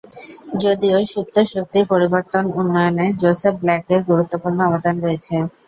যদিও সুপ্ত শক্তির পরিবর্তন উন্নয়নে জোসেফ ব্ল্যাক এর গুরুত্বপূর্ণ অবদান রয়েছে।